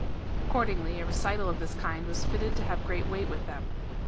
Ac cordingly a recital of this kind was fitted to have great weight with them.